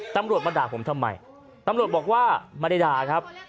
ตำรวจมาด่าผมทำไมตำรวจบอกว่าไม่ได้ด่าครับ